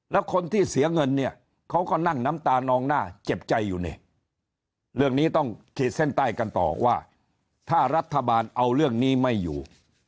แล้วคนที่เสียเงินเนี่ยเขาก็นั่งน้ำตานองหน้าเจ็บใจอยู่นี่เรื่องนี้ต้องขีดเส้นใต้กันต่อว่าถ้ารัฐบาลเอาเรื่องนี้ไม่อยู่